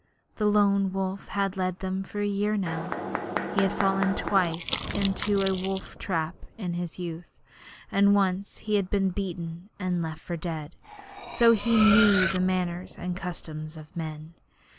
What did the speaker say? The Lone Wolf had led them for a year now. He had fallen twice into a wolf trap in his youth, and once he had been beaten and left for dead; so he knew the manners and customs of men.